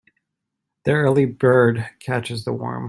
The early bird catches the worm.